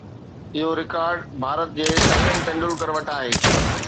اهو رڪارڊ ڀارت جي سچن ٽنڊولڪر وٽ آهي